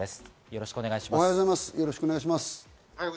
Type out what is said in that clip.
よろしくお願いします。